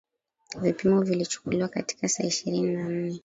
vipimo vilichukuliwa katika saa ishirini na nne